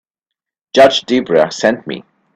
Judge Debra sent me.